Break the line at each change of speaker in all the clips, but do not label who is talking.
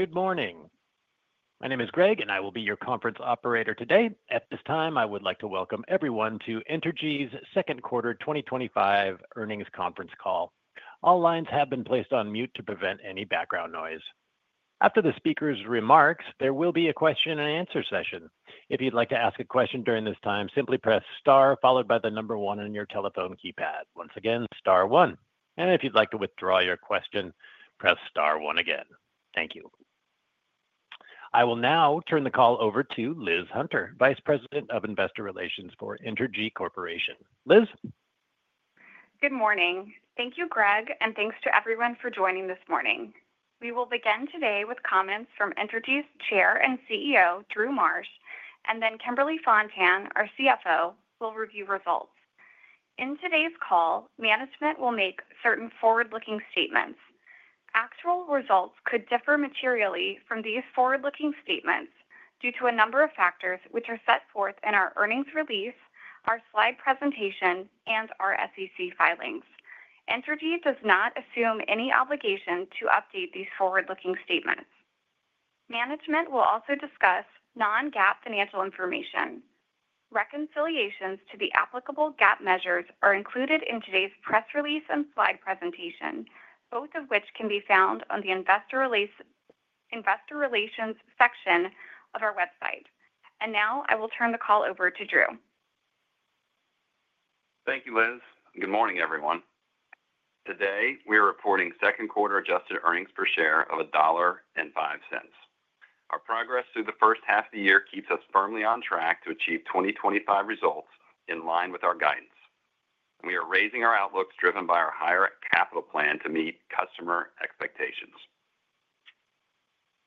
Good morning, my name is Greg and I will be your conference operator today. At this time I would like to welcome everyone to Entergy's second quarter 2025 earnings conference call. All lines have been placed on mute to prevent any background noise. After the speaker's remarks, there will be a question and answer session. If you'd like to ask a question during this time, simply press Star followed by the number one on your telephone keypad. Once again, Star one. If you'd like to withdraw your question, press Star one again.
Thank you.
I will now turn the call over to Liz Hunter, Vice President of Investor Relations for Entergy Corporation.
Liz, good morning.
Thank you, Greg, and thanks to everyone for joining this morning. We will begin today with comments from Entergy's Chair and CEO Drew Marsh. Kimberly Fontan, our CFO, will review results in today's call. Management will make certain forward-looking statements. Actual results could differ materially from these forward-looking statements due to a number of factors which are set forth in our earnings release, our slide presentation, and our SEC filings. Entergy does not assume any obligation to update these forward-looking statements. Management will also discuss non-GAAP financial information. Reconciliations to the applicable GAAP measures are included in today's press release and slide presentation, both of which can be found on the Investor Relations section of our website. Now I will turn the call over to Drew.
Thank you, Liz. Good morning, everyone. Today we are reporting second quarter adjusted earnings per share of $1. Our progress through the first half of the year keeps us firmly on track to achieve 2025 results. In line with our guidance, we are raising our outlooks driven by our higher capital plan to meet customer expectations.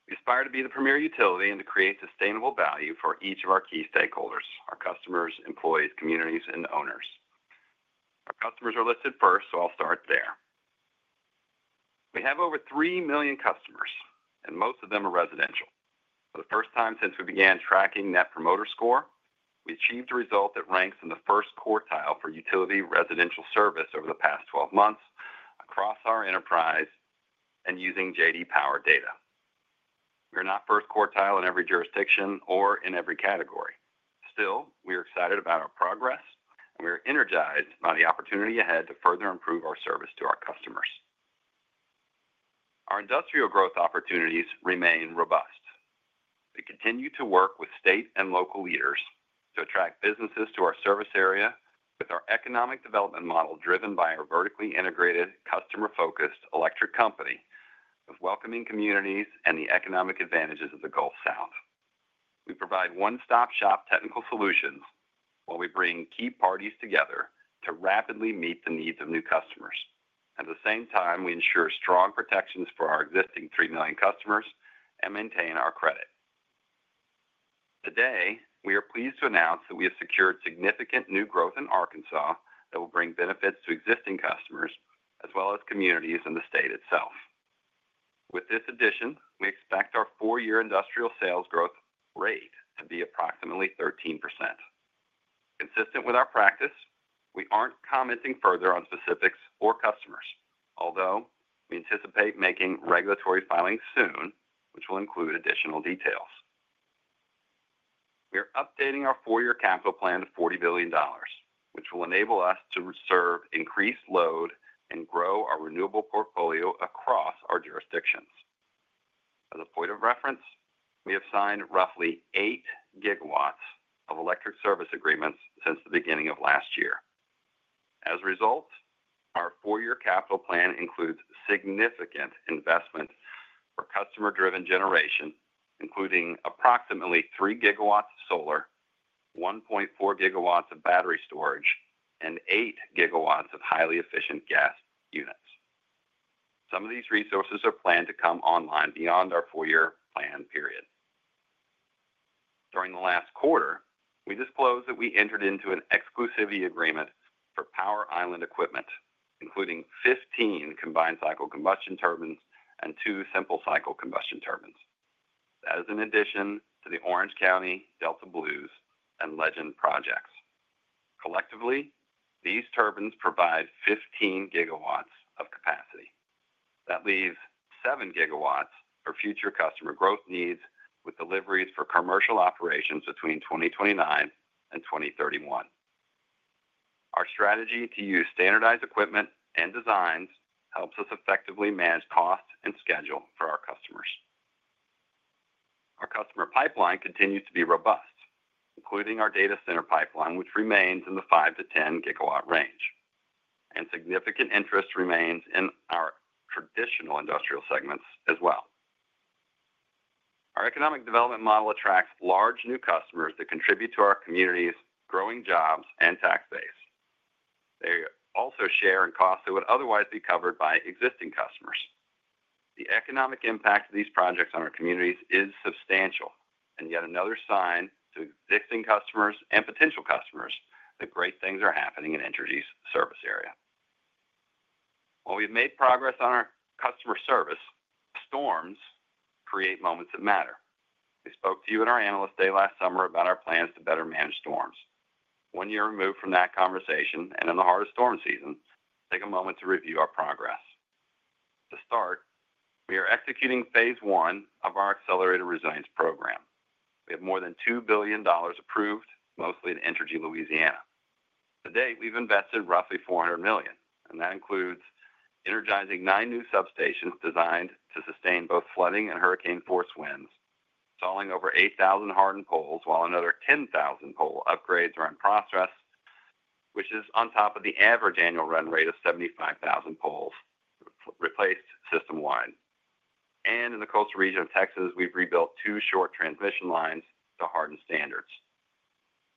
We aspire to be the premier utility and to create sustainable value for each of our key stakeholders, our customers, employees, communities, and owners. Our customers are listed first, so I'll start there. We have over 3 million customers and most of them are residential. For the first time since we began tracking Net Promoter Score, we achieved a result that ranks in the first quartile for utility residential service over the past 12 months across our enterprise and using J.D. Power data. We're not first quartile in every jurisdiction or in every category. Still, we are excited about our progress and we are energized by the opportunity ahead to further improve our service to our customers. Our industrial growth opportunities remain robust. We continue to work with state and local leaders to attract businesses to our service area with our economic development model driven by our vertically integrated customer-focused electric company with welcoming communities and the economic advantages of the Gulf South. We provide one-stop shop technical solutions while we bring key parties together to rapidly meet the needs of new customers. At the same time, we ensure strong protections for our existing 3 million customers and maintain our credit. Today we are pleased to announce that we have secured significant new growth in Arkansas that will bring benefits to existing customers as well as communities in the state itself. With this addition, we expect our four-year industrial sales growth rate to be approximately 13%, consistent with our practice. We aren't commenting further on specifics or customers, although we anticipate making regulatory filings soon which will include additional details. We are updating our four-year capital plan to $40 billion, which will enable us to reserve increased load and grow our renewable portfolio across our jurisdictions. As a point of reference, we have signed roughly 8 gigawatts of electric service agreements since the beginning of last year. As a result, our four year capital plan includes significant investment for customer driven generation, including approximately 3 gigawatts of solar, 1.4 gigawatts of battery storage, and 8 gigawatts of highly efficient gas units. Some of these resources are planned to come online beyond our four year plan period. During the last quarter, we disclosed that we entered into an exclusivity agreement for Power island equipment including 15 combined cycle combustion turbines and two simple cycle combustion turbines as an addition to the Orange County Delta Blues and Legend projects. Collectively, these turbines provide 15 gigawatts of capacity. That leaves 7 gigawatts for future customer growth needs with deliveries for commercial operations between 2029 and 2031. Our strategy to use standardized equipment and designs helps us effectively manage cost and schedule for our customers. Our customer pipeline continues to be robust, including our data center pipeline which remains in the 5-10 gigawatt range, and significant interest remains in our traditional industrial segments as well. Our economic development model attracts large new customers that contribute to our communities, growing jobs and tax base. They also share in costs that would otherwise be covered by existing customers. The economic impact of these projects on our communities is substantial and yet another sign to existing customers and potential customers that great things are happening in Entergy's service area. While we've made progress on our customer service, storms create moments that matter. We spoke to you at our Analyst Day last summer about our plans to better manage storms. One year removed from that conversation and in the heart of storm season, take a moment to review our progress. To start, we are executing phase one of our accelerated resilience program. We have more than $2 billion approved, mostly in Entergy Louisiana. To date, we've invested roughly $400 million, and that includes energizing nine new substations designed to sustain both flooding and hurricane force winds, installing over 8,000 hardened poles while another 10,000 pole upgrades are in process, which is on top of the average annual run rate of 75,000 poles replaced system wide. In the coastal region of Texas, we've rebuilt two short transmission lines to hardened standards.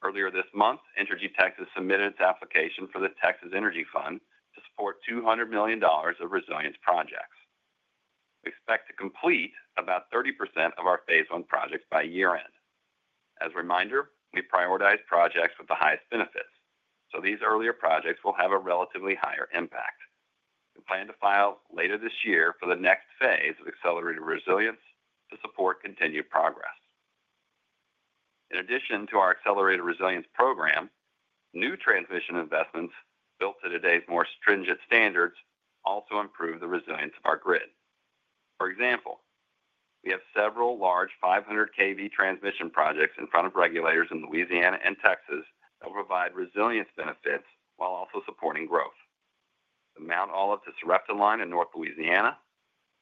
Earlier this month, Entergy Texas submitted its application for the Texas Energy fund to support $200 million of resilience projects. We expect to complete about 30% of our phase one projects by year end. As a reminder, we prioritize projects with the highest benefits, so these earlier projects will have a relatively higher impact. We plan to file later this year for the next phase of accelerated resilience to support continued progress. In addition to our accelerated resilience program, new transmission investments built to today's more stringent standards also improve the resilience of our grid. For example, we have several large 500 kV transmission projects in front of regulators in Louisiana and Texas that will provide resilience benefits while also supporting growth. The Mount Olive to Sarepta line in North Louisiana,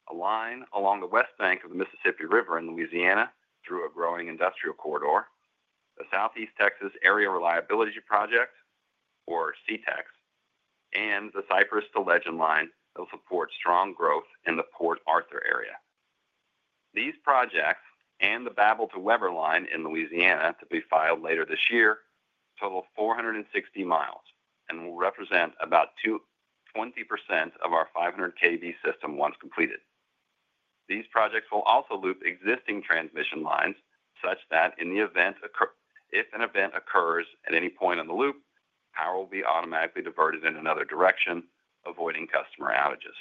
a line along the West Bank of the Mississippi River in Louisiana through a growing industrial corridor, the Southeast Texas Area reliability project or SETX, and the Cypress to Legend line will support strong growth in the Port Arthur area. These projects and the Babel to Weber line in Louisiana to be filed later this year, total 460 miles and will represent about 20% of our 500 kV system. Once completed, these projects will also loop existing transmission lines such that if an event occurs at any point in the loop, power will be automatically diverted in another direction, avoiding customer outages.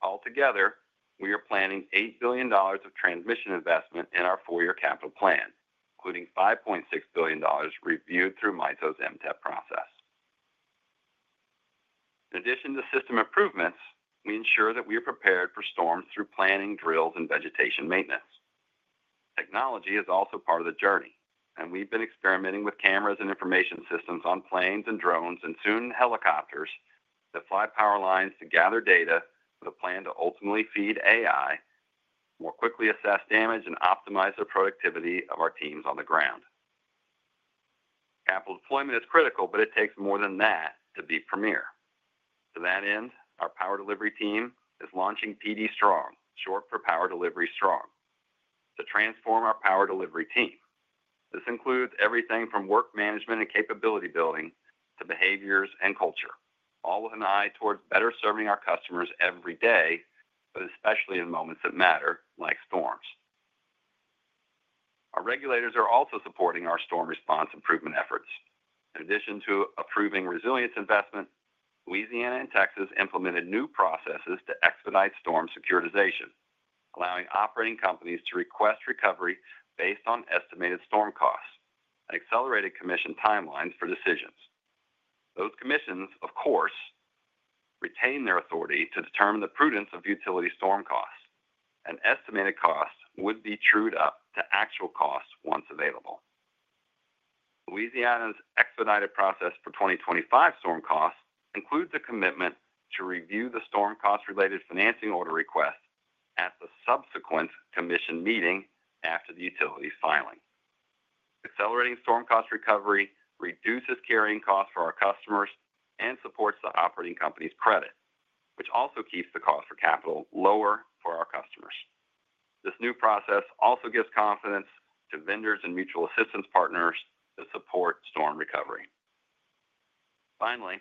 Altogether, we are planning $8 billion of transmission investment in our four year capital plan, including $5.6 billion reviewed through MISO's MTEP process. In addition to system improvements, we ensure that we are prepared for storms through planning drills and vegetation maintenance. Technology is also part of the journey and we've been experimenting with cameras and information systems on planes and drones, and soon helicopters, which fly power lines to gather data with a plan to ultimately feed AI, more quickly assess damage, and optimize the productivity of our teams on the ground. Capital deployment is critical, but it takes more than that to be premier. To that end, our Power Delivery team is launching PD Strong, short for Power Delivery Strong, to transform our Power Delivery team. This includes everything from work management and capability building to behaviors and culture, all with an eye towards better serving our customers. Every day, but especially in moments that matter like storms Our regulators are also supporting our storm response improvement efforts. In addition to approving resilience investment, Louisiana and Texas implemented new processes to expedite storm securitization, allowing operating companies to request recovery based on estimated storm costs and accelerated commission timelines for decisions. Those commissions, of course, retain their authority to determine the prudence of utility storm costs and estimated costs would be trued up to actual costs once available. Louisiana's expedited process for 2025 storm costs includes a commitment to review the storm cost related financing order request at the subsequent commission meeting after the utility filing. Accelerating storm cost recovery reduces carrying costs for our customers and supports the operating company's credit, which also keeps the cost for capital lower for our customers. This new process also gives confidence to vendors and mutual assistance partners that support storm recovery. Finally,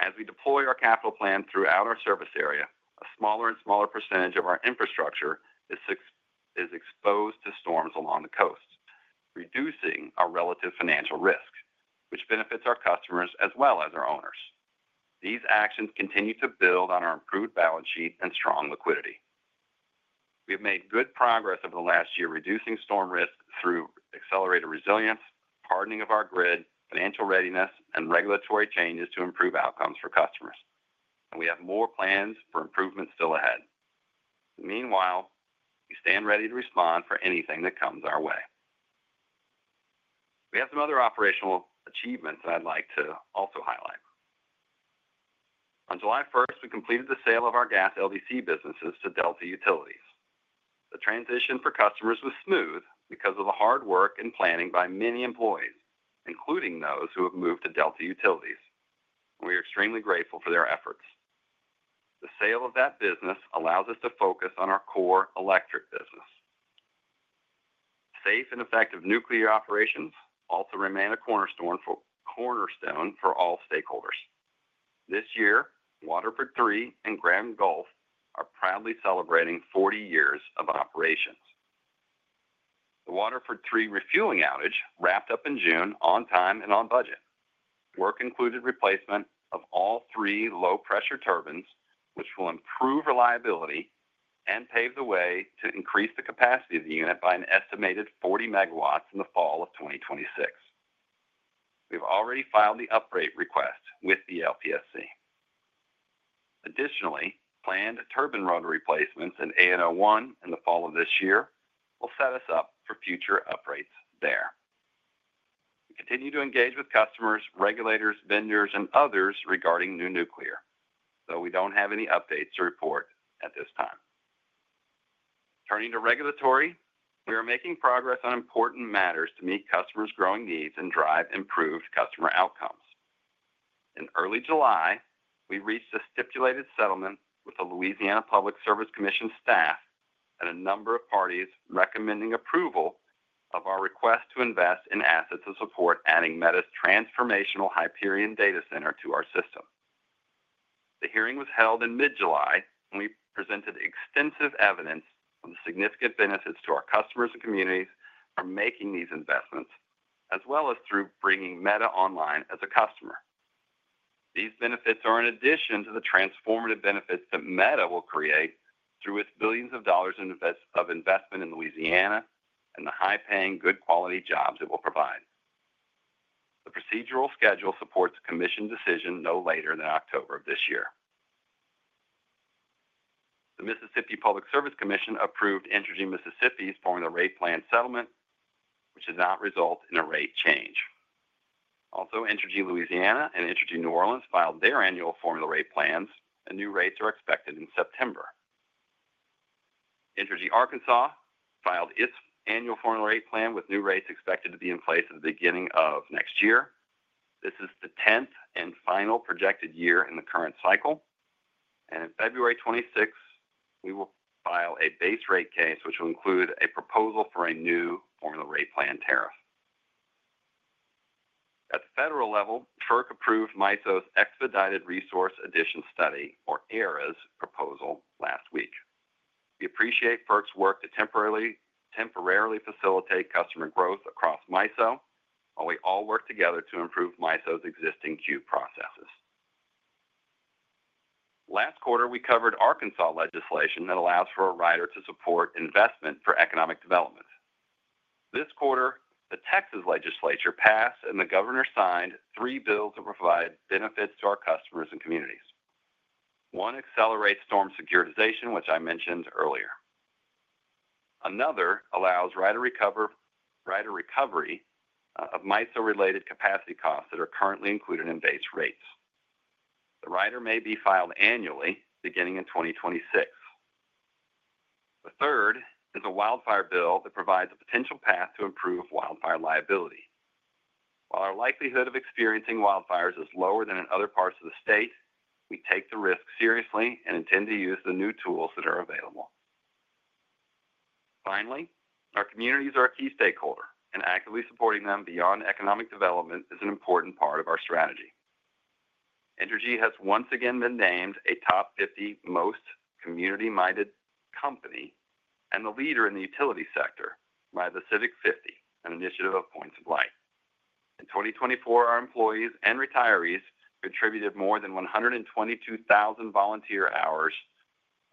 as we deploy our capital plan throughout our service area, a smaller and smaller percentage of our infrastructure is exposed to storms along the coast, reducing our relative financial risk which benefits our customers as well as our owners. These actions continue to build on our improved balance sheet and strong liquidity. We have made good progress over the last year reducing storm risk through accelerated resilience, hardening of our grid, financial readiness and regulatory changes to improve outcomes for customers, and we have more plans for improvement still ahead. Meanwhile, we stand ready to respond for anything that comes our way. We have some other operational achievements I'd like to also highlight. On July 1, we completed the sale of our gas LDC businesses to Delta Utilities. The transition for customers was smooth because of the hard work and planning by many employees, including those who have moved to Delta Utilities. We are extremely grateful for their efforts. The sale of that business allows us to focus on our core electric business. Safe and effective nuclear operations also remain a cornerstone for all stakeholders. This year, Waterford 3 and Grand Gulf are proudly celebrating 40 years of operations. The Waterford 3 refueling outage wrapped up in June on time and on budget. Work included replacement of all three low pressure turbines which will improve reliability and pave the way to increase the capacity of the unit by an estimated 40 megawatts in the fall of 2026. We've already filed the upgrade request with the LPSC. Additionally, planned turbine rotor replacements in ANO1 in the fall of this year will set us up for future upgrades there. We continue to engage with customers, regulators, vendors, and others regarding new nuclear, though we do not have any updates to report at this time. Turning to regulatory, we are making progress on important matters to meet customers' growing needs and drive improved customer outcomes. In early July, we reached a stipulated settlement with the Louisiana Public Service Commission staff and a number of parties recommending approval of our request to invest in assets to support adding Meta's transformational Hyperion Data Center to our system. The hearing was held in mid July. We presented extensive evidence of the significant benefits to our customers and communities from making these investments as well as through bringing Meta online as a customer. These benefits are in addition to the transformative benefits that Meta will create through its billions of dollars of investment in Louisiana and the high-paying, good quality jobs it will provide. The procedural schedule supports Commission decision no later than October of this year.
The.
Mississippi Public Service Commission approved Entergy Mississippi for the rate plan settlement which did not result in a rate change. Also, Entergy Louisiana and Entergy New Orleans filed their annual formula rate plans and new rates are expected in September, Entergy Arkansas filed its annual Formula Rate plan with new rates expected to be in place at the beginning of next year. This is the 10th and final projected year in the current cycle and in February 26th we will file a base rate case which will include a proposal for a new formula rate plan tariff. At the federal level, FERC approved MISO's expedited resource addition Study or ARAS proposal last week. We appreciate FERC's work to temporarily facilitate customer growth across MISO while we all work together to improve MISO's existing queue processes. Last quarter we covered Arkansas legislation that allows for a rider to support investment for economic development. This quarter, the Texas Legislature passed and the Governor signed three bills that provide benefits to our customers and communities. One accelerates storm securitization, which I mentioned earlier. Another allows rider recovery of MISO related capacity costs that are currently included in base rates. The rider may be filed annually beginning in 2026. The third is a wildfire bill that provides a potential path to improve wildfire liability. While our likelihood of experiencing wildfires is lower than in other parts of the state, we take the risk seriously and intend to use the new tools that are available. Finally, our communities are a key stakeholder and actively supporting them beyond economic development is an important part of our strategy. Entergy has once again been named a top 50 most community minded company and the leader in the utility sector by the Civic50, an initiative of Points of Light. In 2024, our employees and retirees contributed more than 122,000 volunteer hours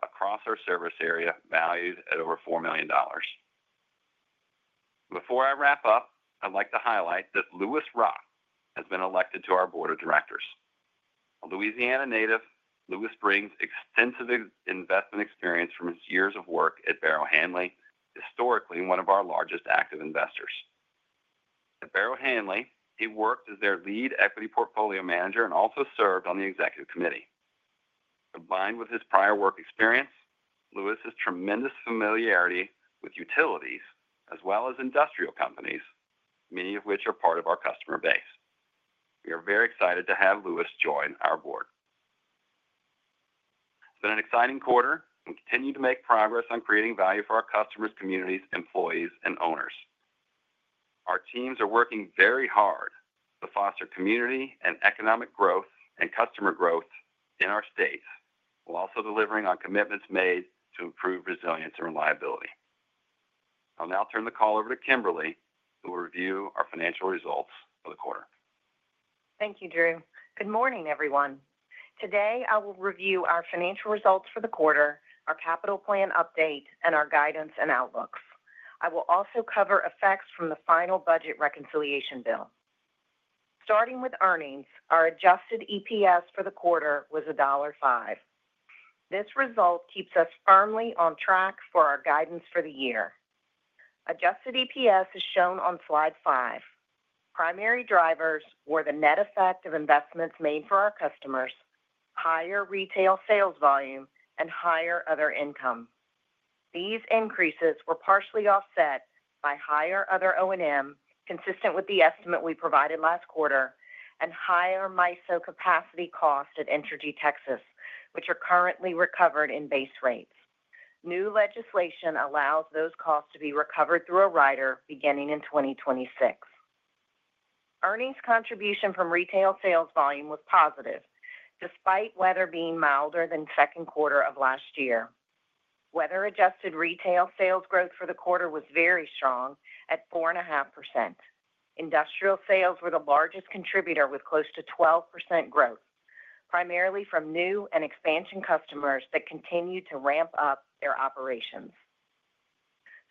across our service area valued at over $4 million. Before I wrap up, I'd like to highlight that Lewis Roth has been elected to our Board of Directors. A Louisiana native, Lewis brings extensive investment experience from his years of work at Barrow Hanley. Historically one of our largest active investors at Barrow Hanley, he worked as their Lead Equity Portfolio Manager and also served on the Executive committee. Combined with his prior work experience, Lewis has tremendous familiarity with utilities as well as industrial companies, many of which are part of our customer base. We are very excited to have Lewis join our board. It's been an exciting quarter. We continue to make progress on creating value for our customers, communities, employees and owners. Our teams are working very hard to foster community and economic growth and customer growth in our states while also delivering on commitments made to improve resilience and reliability. I'll now turn the call over to Kimberly who will review our financial results for the quarter.
Thank you, Drew. Good morning everyone. I will review our financial results for the quarter, our capital plan update, and our guidance and outlooks. I will also cover effects from the final budget reconciliation bill, starting with earnings. Our adjusted EPS for the quarter was $1.05. This result keeps us firmly on track for our guidance for the year. Adjusted EPS is shown on slide 5. Primary drivers were the net effect of investments made for our customers, higher retail sales volume, and higher other income. These increases were partially offset by higher other O and M, consistent with the estimate we provided last quarter, and higher MISO capacity costs at Entergy Texas, which are currently recovered in base rates. New legislation allows those costs to be recovered through a rider beginning in 2026. Earnings contribution from retail sales volume was positive despite weather being milder than the second quarter of last year. Weather adjusted retail sales growth for the quarter was very strong at 4.5%. Industrial sales were the largest contributor with close to 12% growth, primarily from new and expansion customers that continue to ramp up their operations.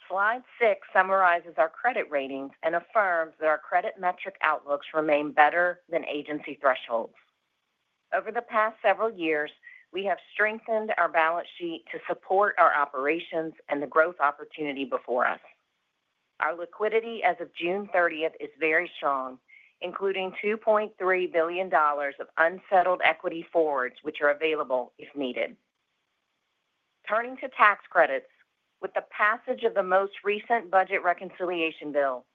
Slide 6 summarizes our credit ratings and affirms that our credit metric outlooks remain better than agency thresholds. Over the past several years, we have strengthened our balance sheet to support our operations and the growth opportunity before us. Our liquidity as of June 30 is very strong, including $2.3 billion of unsettled equity forwards which are available if needed. Turning to tax credits, with the passage of the most recent budget reconciliation bill,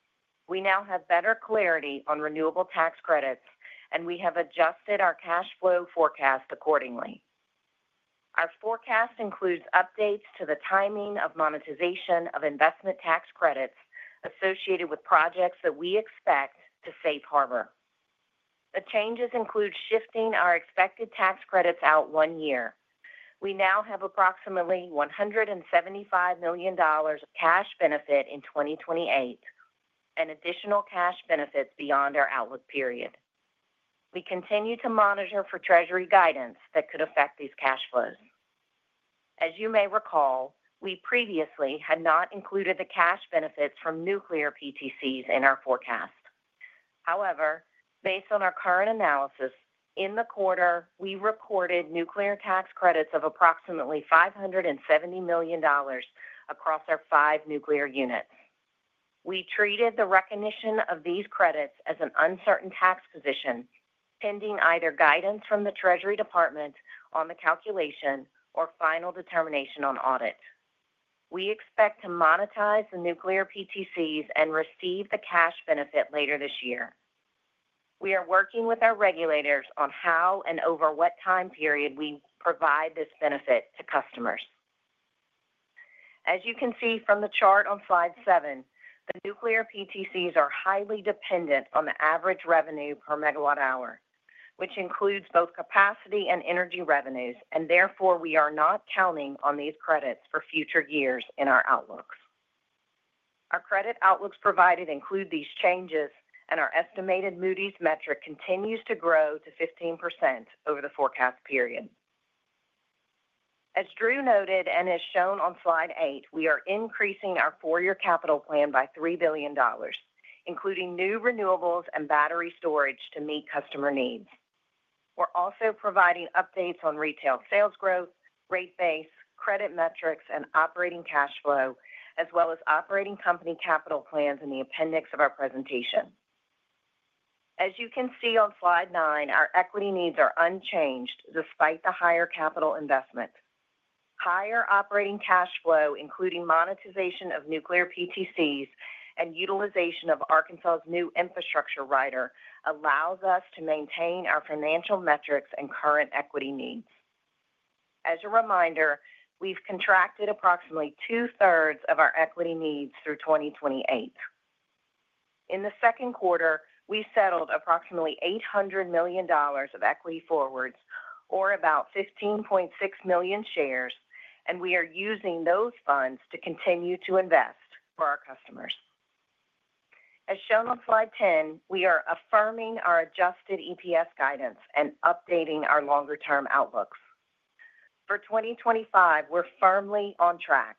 we now have better clarity on renewable tax credits and we have adjusted our cash flow forecast. Our forecast includes updates to the timing of monetization of investment tax credits associated with projects that we expect to safe harbor. The changes include shifting our expected tax credits out one year. We now have approximately $175 million of cash benefit in 2028 and additional cash benefits beyond our outlook period. We continue to monitor for treasury guidance that could affect these cash flows. As you may recall, we previously had not included the cash benefits from nuclear PTCs in our forecast. However, based on our current analysis in the quarter, we recorded nuclear tax credits of approximately $570 million across our five nuclear units. We treated the recognition of these credits as an uncertain tax position. Pending either guidance from the Treasury Department on the calculation or final determination on audit. We expect to monetize the nuclear PTCs and receive the cash benefit later this year. We are working with our regulators on how and over what time period we provide this benefit to customers. As you can see from the chart on slide 7, the nuclear PTCs are highly dependent on the average revenue per megawatt hour, which includes both capacity and energy revenues and therefore we are not counting on these credits for future years in our outlooks. Our credit outlooks provided include these changes and our estimated Moody's metric continues to grow to 15% over the forecast period. As Drew noted and as shown on slide 8, we are increasing our four year capital plan by $3 billion including new renewables and battery storage to meet customer needs. We're also providing updates on retail sales, growth rate, base credit metrics and operating cash flow as well as operating company capital plans in the appendix of our presentation. As you can see on slide 9, our equity needs are unchanged despite the higher capital investment. Higher operating cash flow, including monetization of nuclear PTCs and utilization of Arkansas's new infrastructure rider allows us to maintain our financial metrics and current equity needs. As a reminder, we've contracted approximately two-thirds of our equity needs through 2028. In the second quarter we settled approximately $800 million of equity forwards or about 15.6 million shares and we used those funds to continue to invest for our customers. As shown on slide 10, we are affirming our adjusted EPS guidance and updating our longer term outlooks for 2025. We're firmly on track.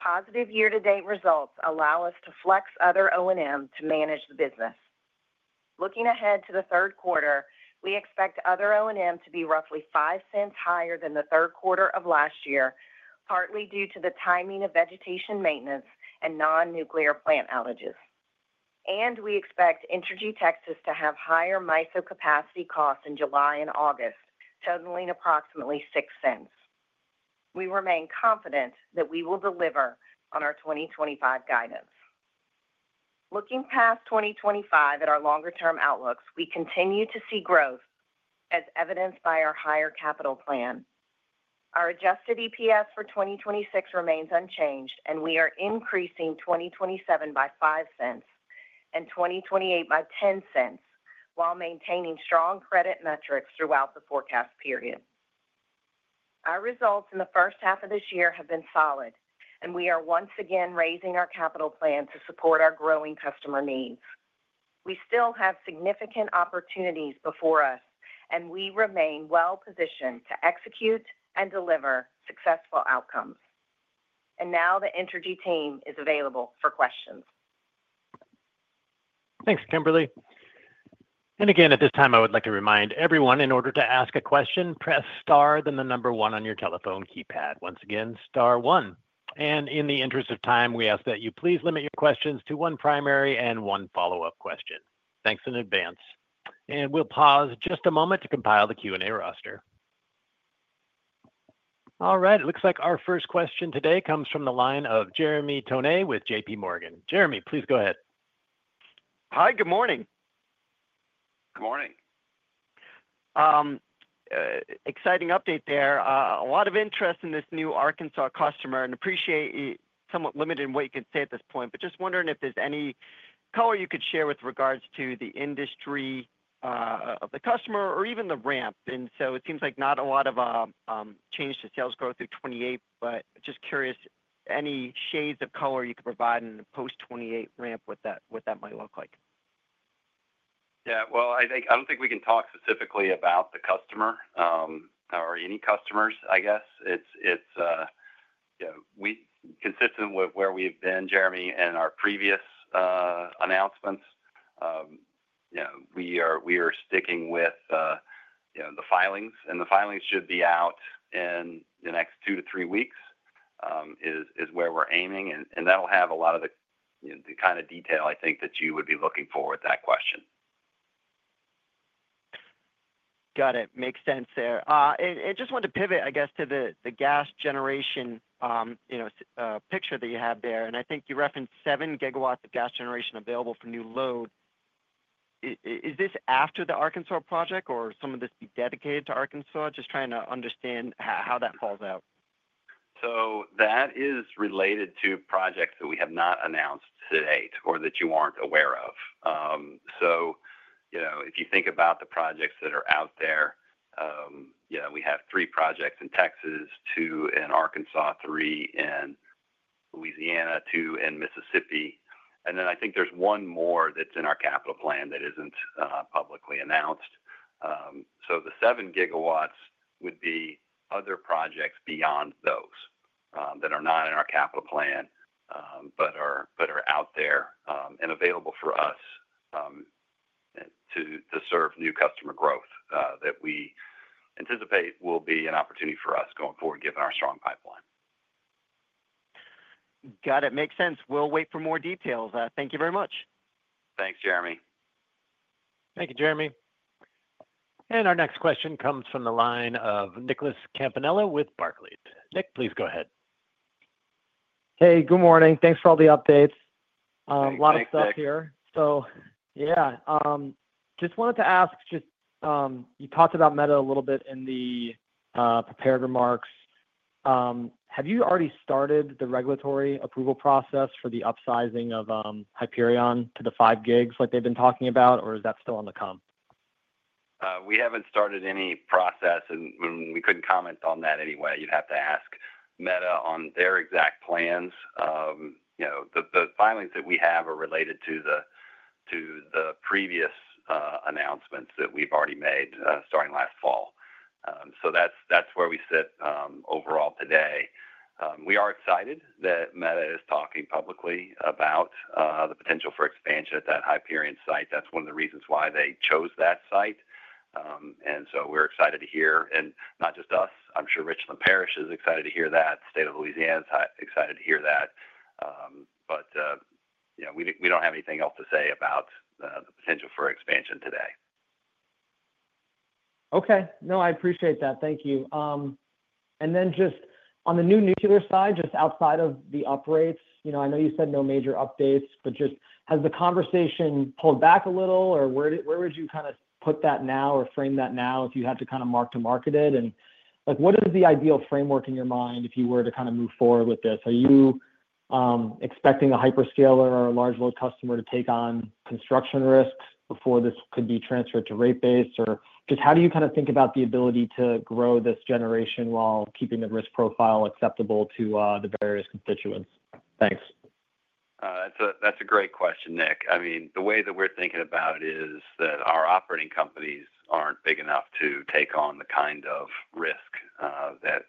Positive year to date results allow us to flex other O&M to manage the business. Looking ahead to the third quarter, we expect other O&M to be roughly $0.05 higher than the third quarter of last year partly due to the timing of vegetation maintenance and non-nuclear plant outages and we expect Entergy Texas to have higher MISO capacity costs in July and August totaling approximately $0.06. We remain confident that we will deliver on our 2025 guidance. Looking past 2025 at our longer term outlooks, we continue to see growth as evidenced by our higher capital plan, our adjusted EPS for 2026 remains unchanged and we are increasing 2027 by $0.05 and 2028 by $0.10 while maintaining strong credit metrics throughout the forecast period. Our results in the first half of this year have been solid and we are once again raising our capital plan to support our growing customer needs. We still have significant opportunities before us and we remain well positioned to execute and deliver successful outcomes. The Entergy team is available for questions.
Thanks, Kimberly. Again at this time I would like to remind everyone, in order to ask a question, press star, then the number one on your telephone keypad. Once again, star one. In the interest of time we ask that you please limit your questions to one primary and one follow up question.
Thanks in advance.
We'll pause just a moment to compile the Q and A roster. All right, it looks like our first question today comes from the line of Jeremy Tonet with JPMorgan. Jeremy, please go ahead.
Hi, good morning.
Exciting update. There is a lot of interest in this new Arkansas customer and appreciate somewhat limited in what you can say at this point, but just wondering if there's any color you could share with regards to the industry of the customer or even the ramp. It seems like not a lot of change to sales growth through 2028. Just curious, any shades of color you could provide in the post-2028 ramp, what that might look like?
Yeah, I think, I do not think we can talk specifically about the customer or any customers. I guess consistent with where we have been, Jeremy, and our previous announcements, we are sticking with the filings and the filings should be out in the next two to three weeks is where we are aiming and that will have a lot of the kind of detail I think that you would be looking for with that question.
Got it. Makes sense there. I just wanted to pivot, I guess, to the gas generation, you know, picture that you have there, and I think you referenced 7 gigawatts of gas generation available for new load. Is this after the Arkansas project, or would some of this be dedicated to Arkansas? Just trying to understand how that falls out.
That is related to projects that we have not announced to date or that you are not aware of. You know, if you think about the projects that are out there, we have three projects in Texas, two in Arkansas, three in Louisiana, two in Mississippi, and then I think there is one more that is in our capital plan that is not publicly announced. The 7 gigawatts would be other projects beyond those that are not in our capital plan but are out there and available for us to serve new customer growth that we anticipate will be an opportunity for us going forward, given our strong pipeline.
Got it. Makes sense. We'll wait for more details. Thank you very much.
Thanks, Jeremy.
Thank you, Jeremy. Our next question comes from the line of Nick Campanella with Barclays. Nick, please go ahead.
Hey, good morning. Thanks for all the updates.
A lot of stuff here.
So. Yeah, just wanted to ask, just you talked about Meta a little bit in the prepared remarks. Have you already started the regulatory approval process for the upsizing of Hyperion to the five gigs like they've been talking about, or is that still on the come?
We haven't started any process and we couldn't comment on that anyway. You'd have to ask Meta on their exact plans. You know, the filings that we have are related to the, to the previous announcements that we've already made starting last fall. That's where we sit. Overall, today we are excited that Meta is talking publicly about the potential for expansion at that Hyperion site. That's one of the reasons why they chose that site. We're excited to hear. Not just us, I'm sure Richland Parish is excited to hear that. State of Louisiana is excited to hear that. You know, we don't have anything else to say about the potential for expansion today.
Okay. No, I appreciate that. Thank you. Just on the new nuclear side, just outside of the up rates, you know, I know you said no major updates, but just has the conversation pulled back a little? Where would you kind of put that now or frame that now if you had to kind of mark to market it? What is the ideal framework in your mind if you were to kind of move forward with this? Are you expecting a hyperscaler or a large load customer to take on construction risks before this could be transferred to rate base? How do you kind of think about the ability to grow this generation while keeping the risk profile acceptable to the various constituents?
Thanks, that's a great question, Nick. I mean, the way that we're thinking about it is that our operating companies aren't big enough to take on the kind of risk that,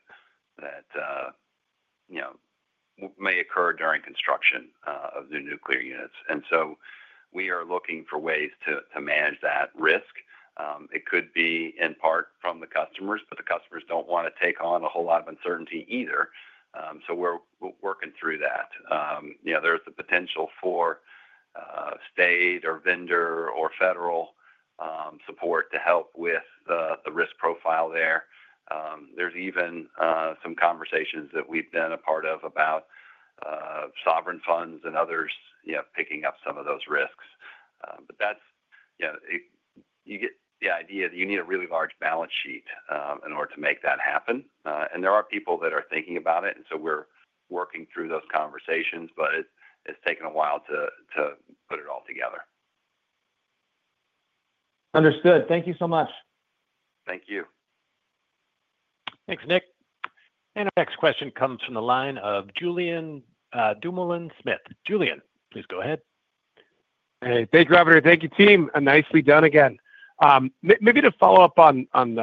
you know, may occur during construction of the nuclear units. And so we are looking for ways to manage that risk. It could be in part from the customers, but the customers don't want to take on a whole lot of uncertainty either. So we're working through that. You know, there's the potential for state or vendor or federal support to help with the risk profile there. There's even some conversations that we've been a part of about sovereign funds and others, you know, picking up some of those risks. But that's, you know, you get the idea that you need a really large balance sheet in order to make that happen. And there are people that are thinking about it. And so we're working through those conversations, but it's taken a while to put it all together.
Understood. Thank you so much.
Thank you.
Thanks, Nick. Our next question comes from the line of Julian Dumoulin Smith. Julian, please go ahead.
Hey, thank you, Robert. Thank you, team. Nicely done. Again, maybe to follow up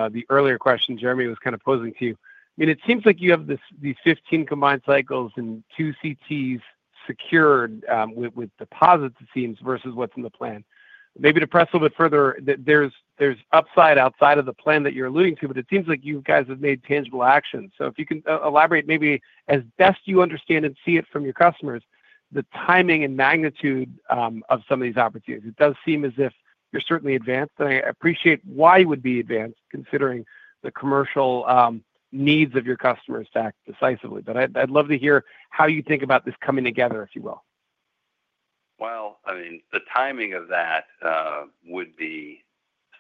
on the earlier question Jeremy was kind of posing to you. I mean, it seems like you have these 15 combined cycles and two CTs secured with deposits, it seems, versus what's in the plan, maybe to press a little bit further. There's upside outside of the plan that you're alluding to, but it seems like you guys have made tangible actions. If you can elaborate maybe as best you understand and see it from your customers, the timing and magnitude of some of these opportunities, it does seem as if you're certainly advanced. I appreciate you would be advanced considering the commercial needs of your customers to act decisively, but I'd love to hear how you think about this coming together, if you will.
I mean, the timing of that would be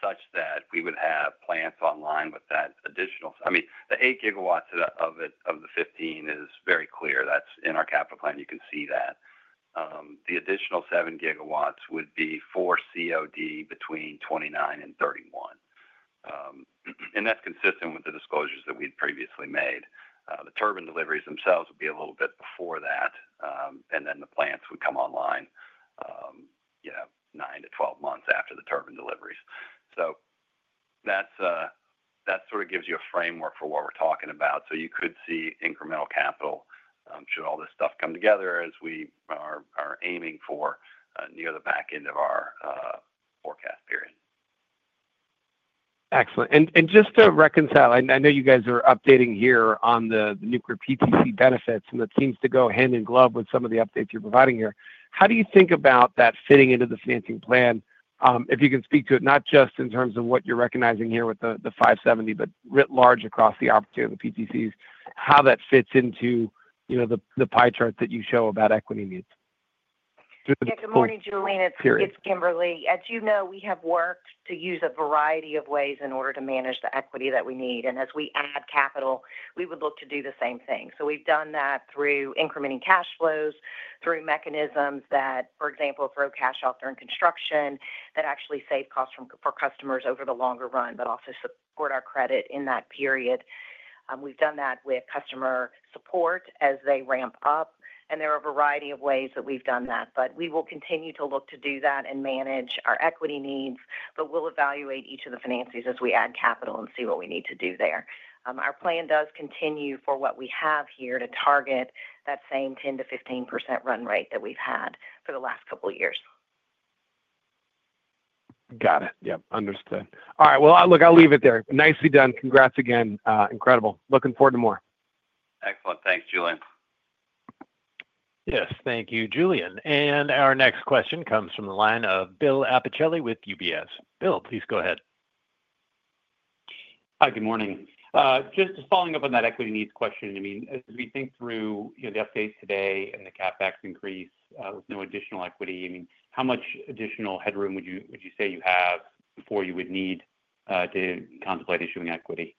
such that we would have plants online with that additional. I mean, the 8 gigawatts of the 15 is very clear. That is in our capital plan. You can see that the additional 7 gigawatts would be for COD between 2029 and 2030. That is consistent with the disclosures that we had previously made. The turbine deliveries themselves would be a little bit before that and then the plants would come online, you know, nine to 12 months after the turbine deliveries. That sort of gives you a framework for what we are talking about so you could see incremental capital should all this stuff come together as we are aiming for, near the back end of our forecast period.
Excellent. Just to reconcile, I know you guys are updating here on the nuclear PTC benefits and that seems to go hand in glove with some of the updates you're providing here. How do you think about that fitting into the financing plan, if you can speak to it, not just in terms of what you're recognizing here with the $570, but writ large across the opportunity of the PTCs, how that fits into, you know, the pie charts that you show about equity needs.
Good morning, Julene, it's Kimberly. As you know, we have worked to use a variety of ways in order to manage the equity that we need. As we add capital, we would look to do the same thing. We have done that through incrementing cash flows through mechanisms that, for example, throw cash out during construction that actually save costs for customers over the longer run, but also support our credit in that period. We have done that with customer service support as they ramp up. There are a variety of ways that we have done that. We will continue to look to do that and manage our equity needs. We will evaluate each of the finances as we add capital and see what we need to do there. Our plan does continue for what we have here to target that same 10-15% run rate that we have had for the last couple of years.
Got it?
Yep, understood. All right, I'll leave it there. Nicely done. Congrats again.
Incredible.
Looking forward to more.
Excellent. Thanks, Julian.
Yes, thank you, Julian. Our next question comes from the line of Bill Abler with UBS. Bill, please go ahead.
Hi, good morning. Just following up on that equity needs question. I mean, as we think through the update today and the CapEx increase with no additional equity, I mean, how much additional headroom would you say you have before you would need to contemplate issuing equity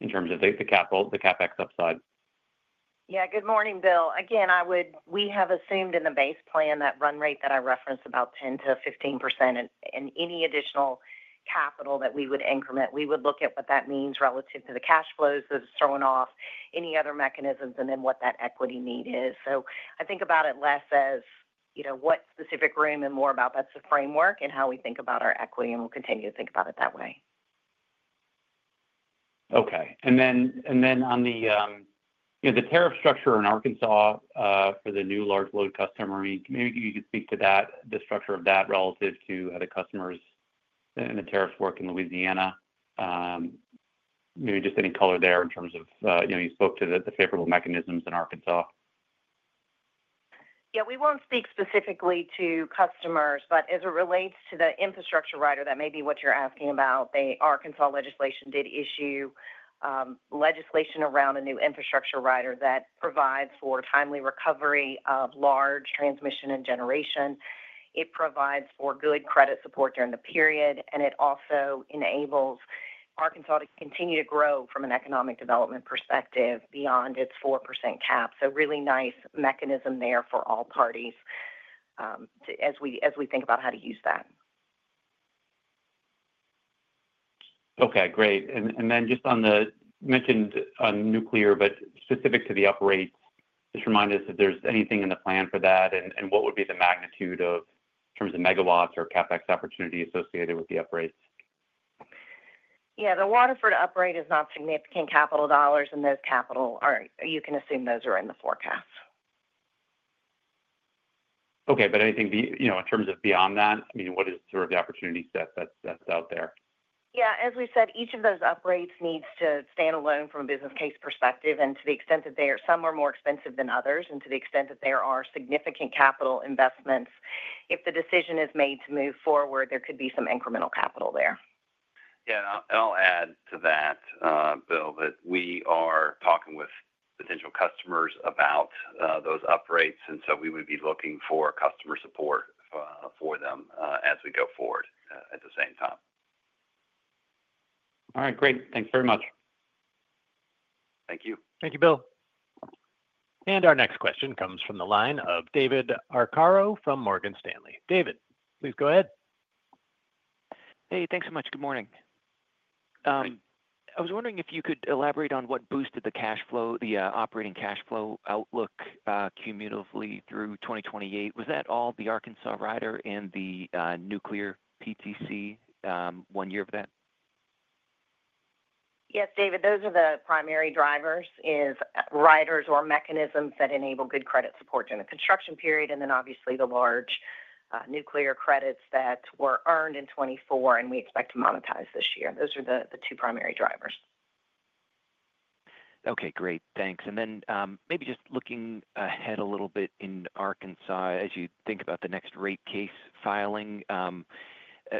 in terms of the CapEx upside?
Yeah, good morning, Bill. Again, I would. We have assumed in the base plan that run rate that I referenced about 10-15% and any additional capital that we would increment, we would look at what that means relative to the cash flows that it's throwing off, any other mechanisms, and then what that equity need is. I think about it less as, you know, what specific room and more about that's the framework and how we think about our equity, and we'll continue to think about it that way.
Okay.
On the tariff structure in Arkansas for the new large load customer, maybe you could speak to that, the structure of that relative to other customers. The tariffs work in Louisiana, maybe just any color there in terms of, you know, you spoke to the favorable mechanisms in Arkansas.
Yeah, we won't speak specifically to customers, but as it relates to the infrastructure rider, that may be what you're asking about. The Arkansas legislation did issue legislation around a new infrastructure rider that provides for timely recovery of large transmission and generation. It provides for good credit support during the period. It also enables Arkansas to continue to grow from an economic development perspective beyond its 4% cap. Really nice mechanism there for all parties as we think about how to use that.
Okay, great. And then just on the mentioned nuclear, but specific to the UP rates, just remind us if there's anything in the plan for that and what would be the magnitude in terms of megawatts or CapEx opportunity associated with the upgrades?
Yeah, the Waterford UP rate is not significant capital dollars, and those capital are, you can assume those are in the forecast.
Okay.
Anything in terms of beyond that, what is sort of the opportunity set that's out there?
Yeah. As we said, each of those upgrades needs to stand alone from a business case perspective. To the extent that they are, some are more expensive than others, and to the extent that there are significant capital investments, if the decision is made to move forward, there could be some incremental capital there.
Yeah. I'll add to that, Bill, that we are talking with potential customers about those upgrades and so we would be looking for customer support for them as we go forward at the same time.
All right, great.
Thanks very much. Thank you.
Thank you, Bill. Our next question comes from the line of David Arcaro from Morgan Stanley. David, please go ahead.
Hey, thanks so much. Good morning. I was wondering if you could elaborate on what boosted the cash flow, the operating cash flow outlook cumulatively through 2028. Was that all the Arkansas Rider and the Nuclear PTC, one year of that?
Yes, David, those are the primary drivers is riders or mechanisms that enable good credit support during the construction period. Obviously the large nuclear credits that were earned in 2024 and we expect to monetize this year, those are the two primary drivers.
Okay, great, thanks. And then maybe just looking ahead a.
Little bit in Arkansas, as you think.
About the next rate case filing,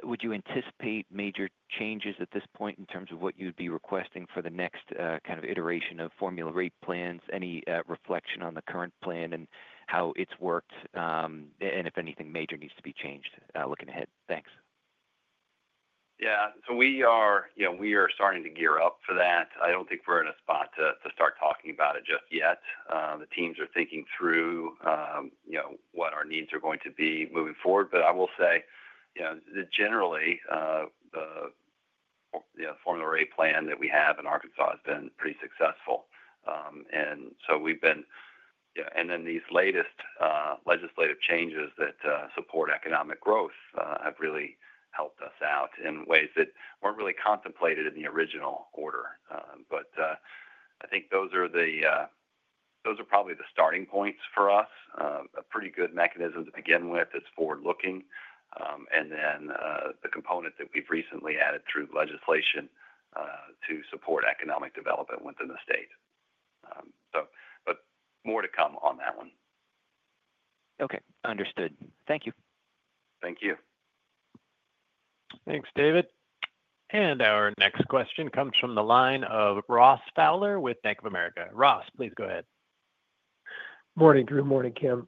would you anticipate major changes at this point?
In terms of what you'd be requesting.
For the next kind of iteration of formula rate plans? Any reflection on the current plan and how it's worked and if anything major.
Needs to be changed?
Looking ahead.
Thanks. Yeah, so we are, you know, we are starting to gear up for that. I do not think we are in a spot to start talking about it just yet. The teams are thinking through, you know, what our needs are going to be moving forward. I will say, you know, generally the formula rate plan that we have in Arkansas has been pretty successful and so we have been. These latest legislative changes that support economic growth have really helped us out in ways that were not really contemplated in the original order. I think those are probably the starting points for us. A pretty good mechanism to begin with that is forward looking. The component that we have recently added through legislation to support economic development within the state, but more to come on that one.
Okay, understood.
Thank you. Thank you.
Thanks, David. Our next question comes from the line of Ross Fowler with Bank of America. Ross, please go ahead.
Morning, Drew. Morning, Kim.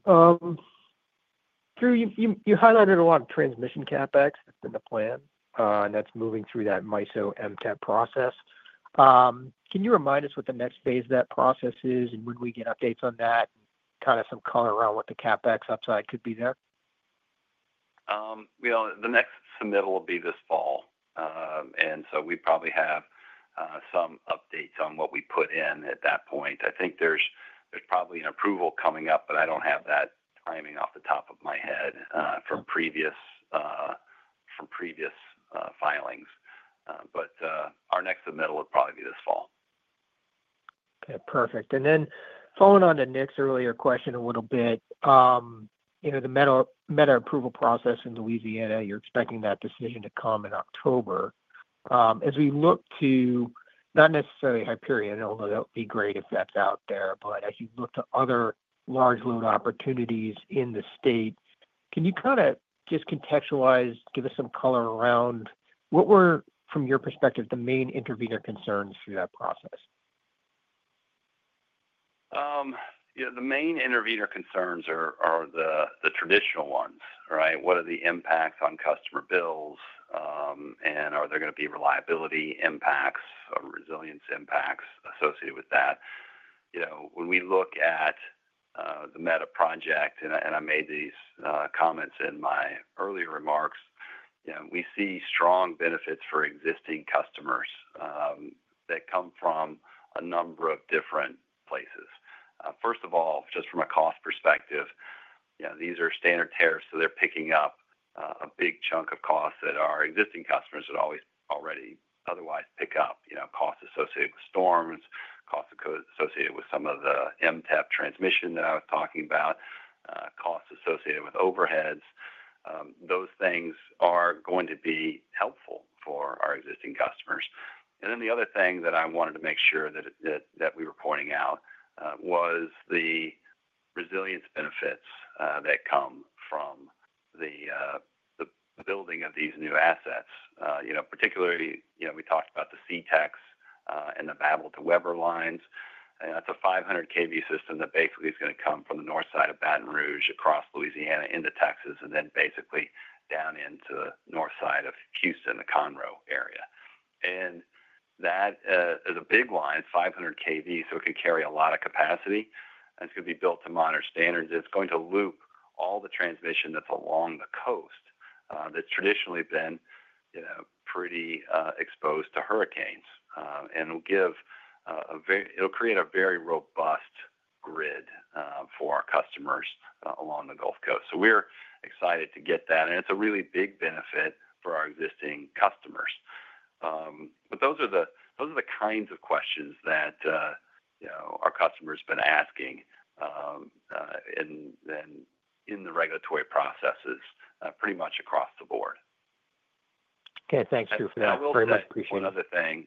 Drew, you highlighted a lot of transmission CapEx that's been the plan and that's moving through that MISO MTEP process. Can you remind us what the next phase of that process is and when we get updates on that, kind of some color around what the CapEx upside could be there?
The next submittal will be this fall and so we probably have some updates on what we put in at that point. I think there's probably an approval coming up, but I don't have that timing off the top of my head from previous filings. Our next submittal would probably be this fall.
Okay, perfect. And then following on to Nick's earlier question a little bit, you know the Meta approval process in Louisiana, you're expecting that decision to come in October as we look to, not necessarily Hyperion, although that would be great if that's out there. As you look to other large load opportunities in the state, can you kind of just contextualize, give us some color around what were, from your perspective, the main intervener concerns through that process?
The main intervener concerns are the traditional ones.
Right.
What are the impacts on customer bills and are there going to be reliability impacts or resilience impacts associated with that? When we look at the Meta project and I made these comments in my earlier remarks, we see strong benefits for existing customers that come from a number of different places. First of all, just from a cost perspective, these are standard tariffs, so they're picking up a big chunk of costs that our existing customers would already otherwise pick up. Costs associated with storms, costs associated with some of the MTEP transmission that I was talking about, costs associated with overheads. Those things are going to be helpful for our existing customers. The other thing that I wanted to make sure that we were pointing out was the resilience benefits that come from the building of these new assets. You know, particularly, you know, we talked about the CTEX and the Babel to Weber lines. That's a 500 kV system that basically is going to come from the north side of Baton Rouge across Louisiana into Texas and then basically down into the north side of Houston, the Conroe area. That is a big line, 500 kV. It could carry a lot of capacity and it could be built to modern standards. It's going to loop all the transmission that's along the coast that's traditionally been pretty exposed to hurricanes and will give. It'll create a very robust grid for our customers along the Gulf Coast. We're excited to get that and it's a really big benefit for our existing customers. Those are the kinds of questions that our customers have been asking in the regulatory processes pretty much across the board.
Okay, thanks, Drew, for that, very much. Appreciate it.
One other thing,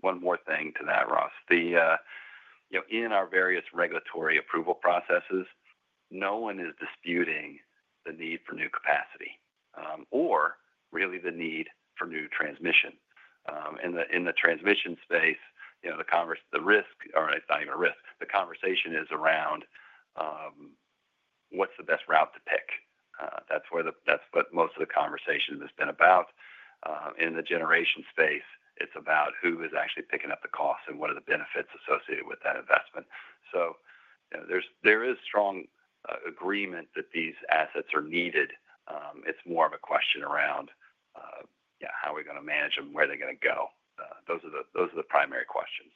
one more thing to that, Ross. You know, in our various regulatory approval processes, no one is disputing the need for new capacity or really the need for new transmission in the transmission space. You know, the conversation or it's not even a risk. The conversation is around what's the best route to pick. That's what most of the conversation has been about. In the generation space, it's about who is actually picking up the cost and what are the benefits associated with that investment. So there is strong agreement that these assets are needed. It's more of a question around how are we going to manage them, where they're going to go. Those are the primary questions,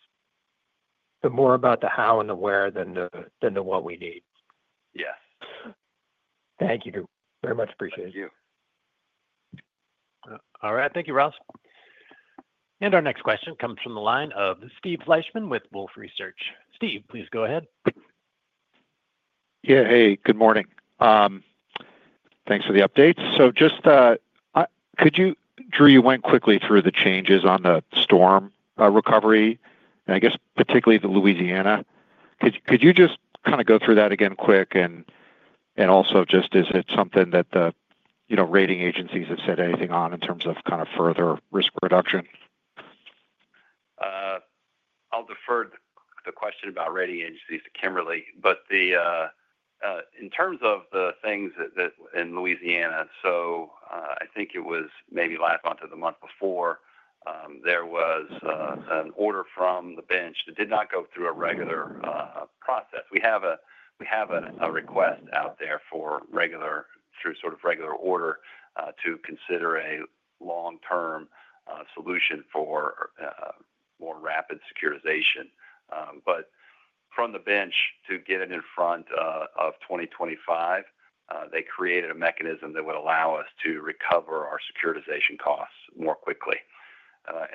more about.
The how and the where than the what we need.
Yes.
Thank you very much.
Appreciate it.
All right, thank you, Ross. Our next question comes from the line of Steve Fleishman with Wolfe Research. Steve, please go ahead. Yeah.
Hey, good morning. Thanks for the updates. Could you, Drew, you went quickly through the changes on the storm recovery, I guess, particularly the Louisiana.
Could you just kind of go through?
That again quick and also just is it something that the rating agencies have said anything on in terms of kind?
Of further risk reduction?
I'll defer the question about rating agencies to Kimberly, but in terms of the things in Louisiana, I think it was maybe late onto the month before there was an order from the bench that did not go through a regular process. We have a request out there for regular, through sort of regular order to consider a long term solution for more rapid securitization. From the bench to get it in front of 2025, they created a mechanism that would allow us to recover our securitization costs more quickly.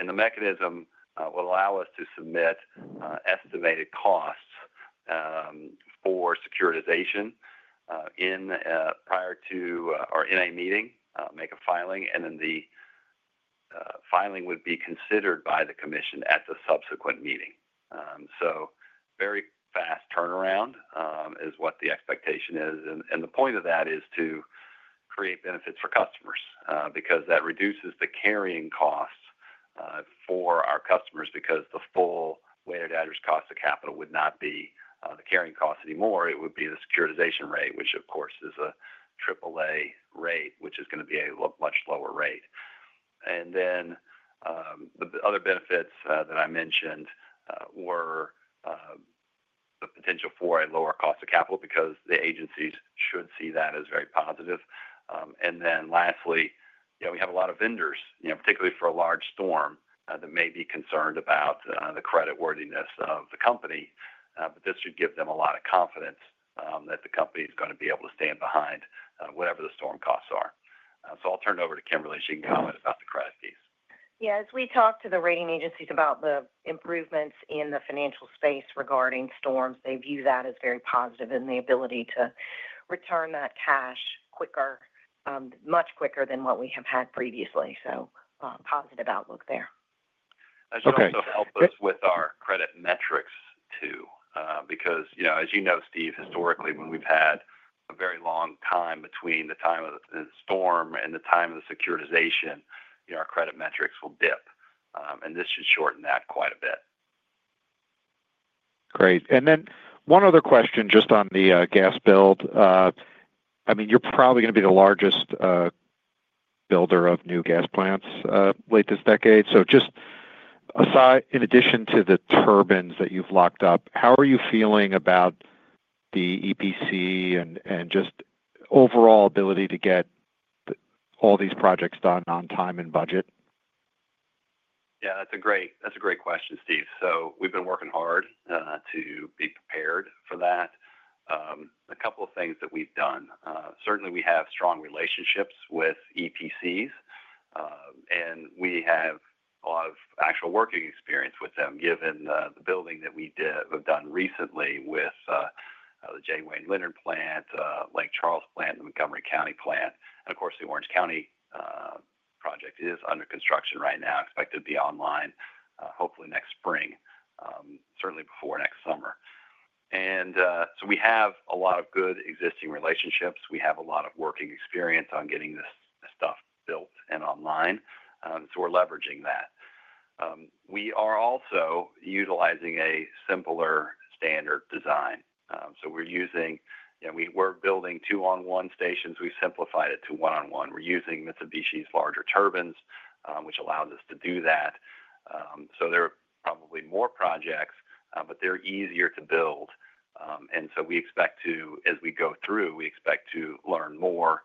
The mechanism will allow us to submit estimated costs for securitization in prior to or in a meeting, make a filing, and then the filing would be considered by the commission at the subsequent meeting. Very fast turnaround is what the expectation is. The point of that is to create benefits for customers because that reduces the carrying costs for our customers because the full weighted average cost of capital would not be the carrying cost anymore. It would be the securitization rate, which of course is a triple A rate, which is going to be a much lower rate. The other benefits that I mentioned were the potential for a lower cost of capital because the agencies should see that as very positive. Lastly, we have a lot of vendors, particularly for a large storm, that may be concerned about the credit worthiness of the company. This should give them a lot of confidence that the company is going to be able to stand behind whatever the storm costs are. I'll turn it over to Kimberly. She can comment about the credit piece.
Yeah.
As we talk to the rating agencies about the improvements in the financial space regarding storms, they view that as very positive in the ability to return that cash quicker, much quicker than what we have had previously. Positive outlook there.
That should also help us with our credit metrics too, because, you know, as you know, Steve, historically when we've had a very long time between the time of the storm and the time of the securitization, you know, our credit metrics will dip and this should shorten that quite a bit. Great. And then one other question, just on the gas build, I mean, you're probably going to be the largest builder of new gas plants late this decade. So just aside, in addition to the turbines that you've locked up, how are you feeling about the EPC and just overall ability to get all these projects done on time and budget? Yeah, that's a great, that's a great question, Steve. We've been working hard to be prepared for that. A couple of things that we've done.
Certainly we have strong relationships with EPCs and we have a lot of actual working experience with them given the building that we've done recently with the J. Wayne Leonard plant, Lake Charles plant and Montgomery County plant. Of course, the Orange County project is under construction right now, expected to be online hopefully next spring, certainly before next summer. We have a lot of good existing relationships. We have a lot of working experience on getting this stuff built and online. We're leveraging that. We are also utilizing a simpler standard design. We're building two on one stations. We simplified it to one on one. We're using Mitsubishi's larger turbines, which allows us to do that. There are probably more projects, but they're easier to build. We expect to, as we go through, we expect to learn more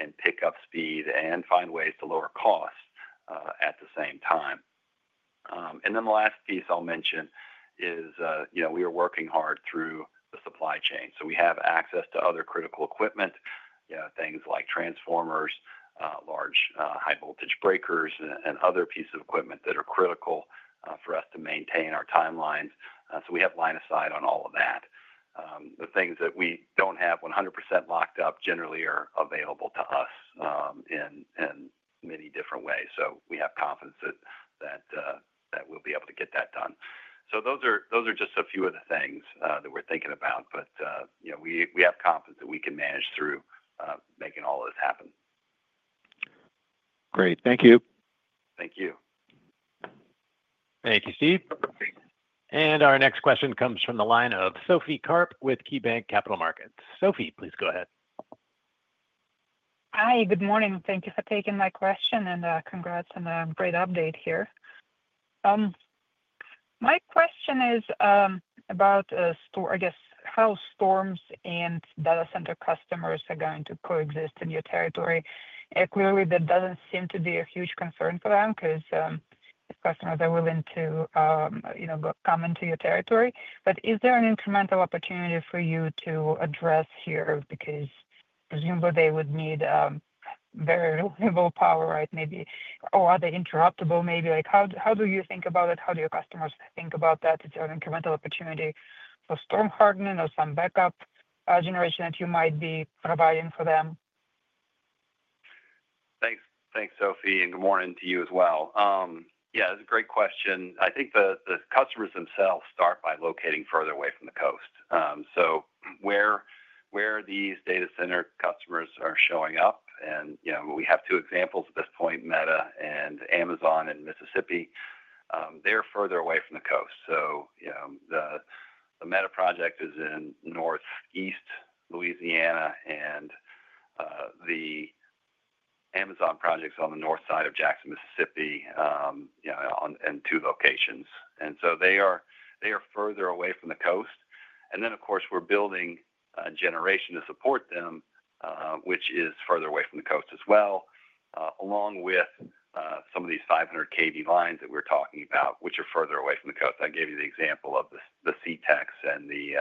and pick up speed and find ways to lower cost at the same time. The last piece I'll mention is, you know, we are working hard through the supply chain so we have access to other critical equipment, you know, things like transformers, large high voltage breakers and other pieces of equipment that are critical for us to maintain our timelines. We have line of sight on all of that. The things that we don't have 100% locked up generally are available to us in many different ways. We have confidence that we'll be able to get that done. Those are just a few of the things that we're thinking about. But you know, we have confidence that we can manage through making all this happen. Great, thank you. Thank you.
Thank you, Steve. Our next question comes from the line of Sophie Karp with KeyBanc Capital Markets. Sophie, please go ahead.
Hi, good morning. Thank you for taking my question. Congrats on a great update here. My question is about, I guess, how storms and data center customers are going to coexist in your territory. Clearly that does not seem to be a huge concern for them because customers are willing to come into your territory. Is there an incremental opportunity for you to address here? Presumably they would need very reliable power. Are they interruptible? Maybe. How do you think about it? How do your customers think about that? It is an incremental opportunity for storm hardening or some backup generation that you might be providing for them.
Thanks. Thanks, Sophie. And good morning to you as well. Yeah, that's a great question. I think the customers themselves start by locating further away from the coast. Where these data center customers are showing up, and we have two examples at this point, Meta and Amazon in Mississippi. They're further away from the coast. The Meta project is in northeast Louisiana and the Amazon project is on the north side of Jackson, Mississippi in two locations. They are further away from the coast. Of course, we're building generation to support them, which is further away from the coast as well, along with some of these 500 kV lines that we're talking about, which are further away from the coast. I gave you the example of the Sea Tex and the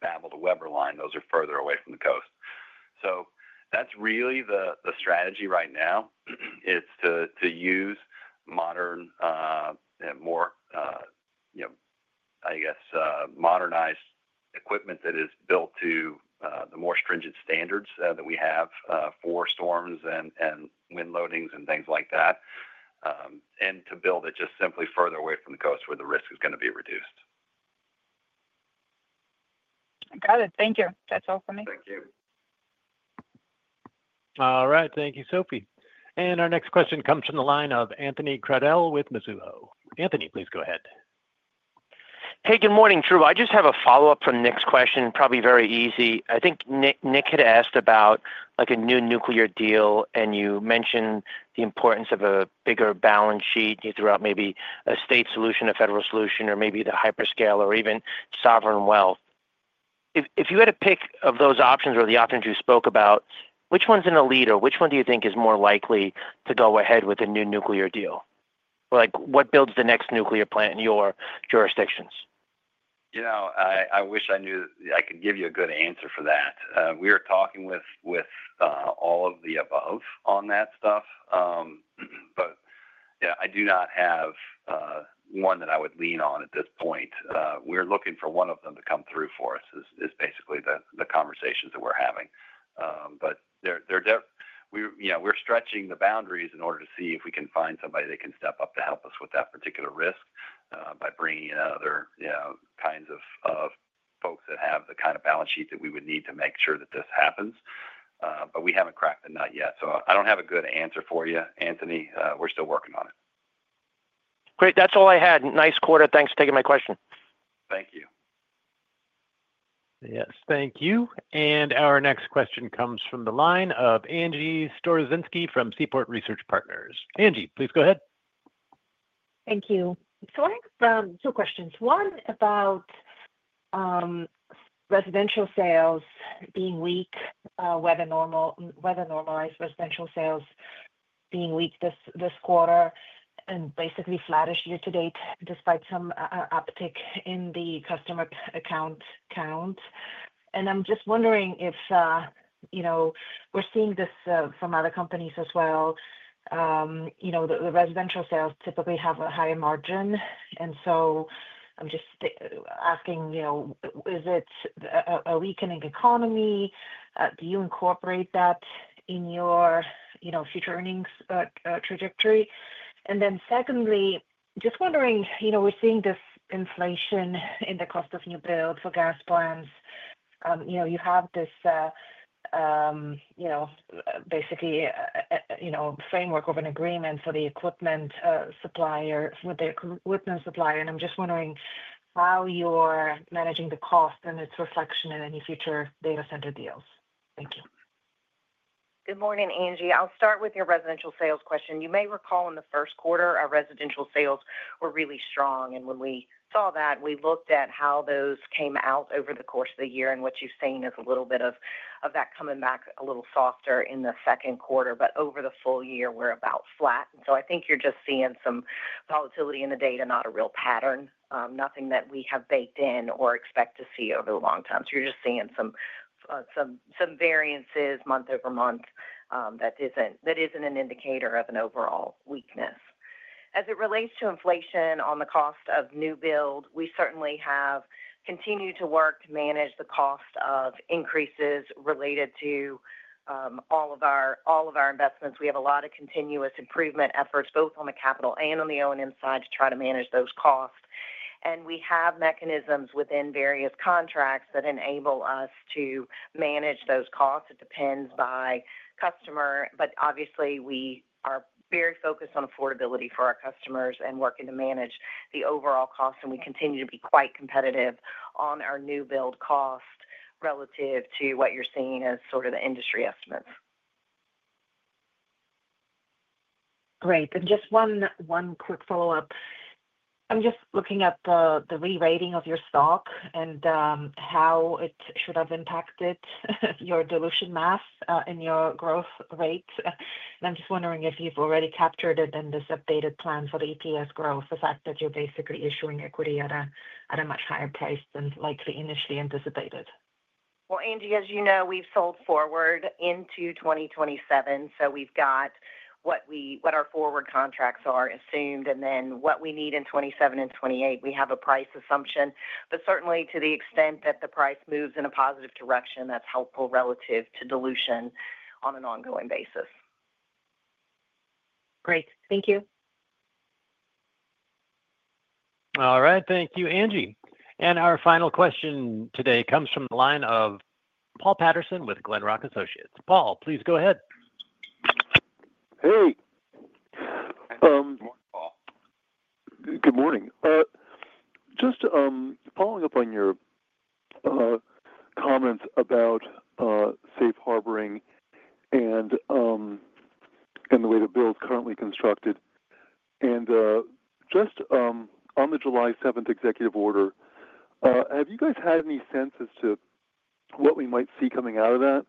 Babel to Weber line. Those are further away from the coast. That's really the strategy right now. It's to use modern, more, I guess, modernized equipment that is built to the more stringent standards that we have for storms and wind loadings and things like that, and to build it just simply further away from the coast where the risk is going to be reduced.
Got it. Thank you.
That's all for me.
Thank you.
All right.
Thank you, Sophie. Our next question comes from the line of Anthony Crowdell with Mizuho. Anthony, please go ahead.
Hey, good morning, Drew. I just have a follow up from Nick's question. Probably very easy. I think Nick had asked about, like, a new nuclear deal, and you mentioned the importance of a bigger balance sheet. You threw out maybe a state solution, a federal solution, or maybe the hyperscale or even sovereign wealth. If you had a pick of those options or the options you spoke about, which one's in the lead or which one do you think is more likely to go ahead with a new nuclear deal? Like what builds the next nuclear plant in your jurisdictions?
You know, I wish I knew I could give you a good answer for that. We are talking with all of the above on that stuff, but I do not have one that I would lean on at this point. We're looking for one of them to come through for us is basically the conversations that we're having. We're stretching the boundaries in order to see if we can find somebody that can step up to help us with that particular risk by bringing in other kinds of folks that have the kind of balance sheet that we would need to make sure that this happens. We haven't cracked the nut yet. I don't have a good answer for you, Anthony. We're still working on it.
Great. That's all I had. Nice quarter. Thanks for taking my question.
Thank you.
Yes, thank you. Our next question comes from the line of Angie Storozynski from Seaport Research Partners. Angie, please go ahead.
Thank you. So I have two questions.
One about.
Residential sales being weak, weather normalized residential sales being weak this quarter and basically flattish year to date despite some uptick in the customer account count. I'm just wondering if, you know, we're seeing this from other companies as well. You know, the residential sales typically have a higher margin. I'm just asking, you know, is it a weakening economy? Do you incorporate that in your, you know, future earnings trajectory? Secondly, just wondering, you know, we're seeing this inflation in the cost of new build for gas plants. You know, you have this, you know, basically, you know, framework of an agreement for the equipment supplier. With the equipment supplier. I'm just wondering how you're managing the cost and its reflection in any future data center deals. Thank you.
Good morning, Angie. I'll start with your residential sales question. You may recall in the first quarter our residential sales were really strong. When we saw that, we looked at how those came out over the course of the year and what you've seen is a little bit of that coming back a little softer in the second quarter. Over the full year we're about flat. I think you're just seeing some volatility in the data, not a real pattern, nothing that we have baked in or expect to see over the long time. You're just seeing some variances month over month that isn't an indicator of an overall weakness. As it relates to inflation on the cost of new build, we certainly have continued to work to manage the cost of increases related to all of our investments. We have a lot of continuous improvement efforts both on the capital and on the O and M side to try to manage those costs. We have mechanisms within various contracts that enable us to manage those costs. It depends by customer, but obviously we are very focused on affordability for our customers and working to manage the overall cost. We continue to be quite competitive on our new build cost relative to what you're seeing as sort of the industry estimates.
Great. Just one quick follow up. I'm just looking at the RE rating of your stock and how it should have impacted your dilution math in your growth rate. I'm just wondering if you've already captured it in this updated plan for the EPS growth. The fact that you're basically issuing equity at a, at a much higher price than likely initially anticipated.
Angie, as you know, we've sold forward into 2027, so we've got what we, what our forward contracts are assumed and then what we need in 2027 and 2028, we have a price assumption, but certainly to the extent that the price moves in a positive direction, that's helpful relative to dilution on an ongoing basis. Great, thank you.
All right, thank you, Angie. Our final question today comes from the line of Paul Patterson with Glenrock Associates. Paul, please go ahead.
Hey, good morning.
Just following up on your comments about safe harboring and the way the bill is currently constructed and just on the July 7 executive order.
Have you guys had any sense as?
To what we might see coming out of that?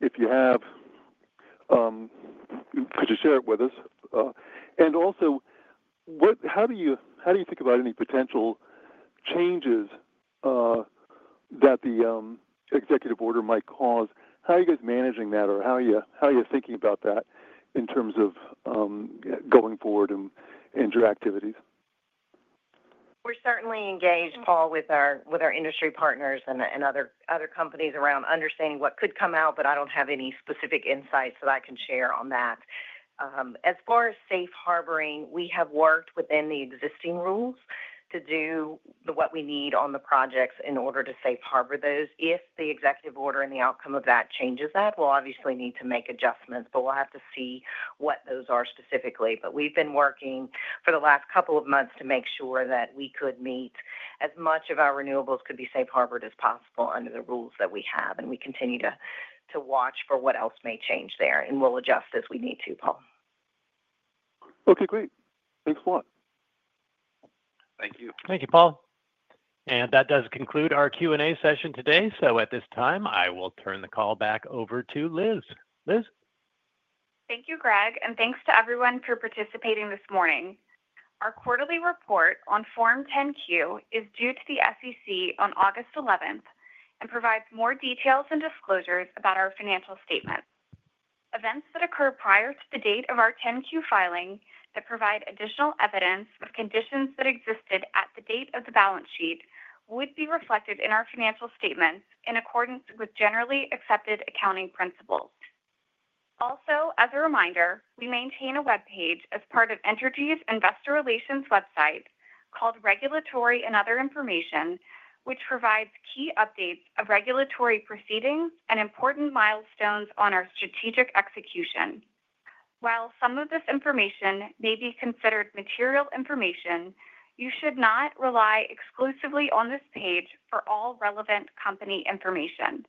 If you have, could you share it with us? Also, how do you think about any potential changes that the executive order might cause? How are you guys managing that or how are you thinking about that in terms of going forward and your activities?
We're certainly engaged, Paul, with our industry partners and other companies around understanding what could come out, but I don't have any specific insights that I can share on that. As far as safe harboring, we have worked within the existing rules to do what we need on the projects in order to safe harbor those. If the executive order and the outcome of that changes that, we'll obviously need to make adjustments, but we'll have to see what those are specifically. We've been working for the last couple of months to make sure that we could meet as much of our renewables could be safe harbored as possible under the rules that we have. We continue to watch for what else may change there and we'll adjust as we need to.
Okay, great. Thanks a lot. Thank you.
Thank you, Paul. That does conclude our Q and A session today. At this time I will turn the call back over to Liz.
Thank you, Greg, and thanks to everyone for participating this morning. Our quarterly report on Form 10Q is due to the SEC on August 11 and provides more details and disclosures about our financial statements. Events that occur prior to the date of our 10Q filing that provide additional evidence of conditions that existed at the date of the balance sheet would be reflected in our financial statements in accordance with Generally Accepted Accounting Principles. Also, as a reminder, we maintain a webpage as part of Entergy's investor relations website called Regulatory and Other Information, which provides key updates of regulatory proceedings and important milestones on our strategic execution. While some of this information may be considered material information, you should not rely exclusively on this page for all relevant company information.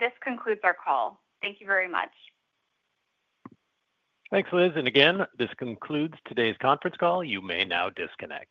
This concludes our call. Thank you very much.
Thanks, Liz. Again, this concludes today's conference call. You may now disconnect.